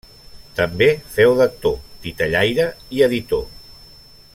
També feu d'actor, titellaire i editor.